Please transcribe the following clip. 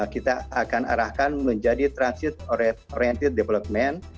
kita akan arahkan menjadi transit oriented development